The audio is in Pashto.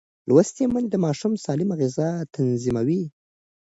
لوستې میندې د ماشوم سالمه غذا تضمینوي.